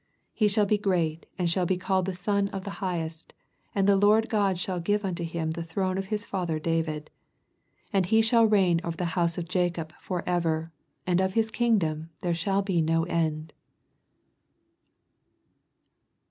82 He shall be great^nd shall be called the Son of the Highest : and the Lord God shall give unto him the throne of his father I)avid : 88 And he shall reign over the house of Jacob forever; and of his kingdom there shall be no end.